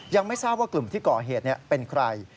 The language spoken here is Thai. ยังไม่ทราบว่ากลุ่มที่ก่อเหตุเป็นใคร